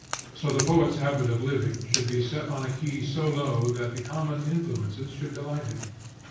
So the poet's habit of living should be set on a key so low that the common influences should delight him.